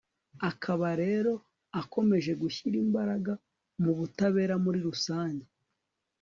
ukaba rero ukomeje gushyira imbaraga mu butabera muri rusange